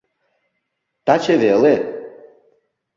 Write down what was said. — Таче веле.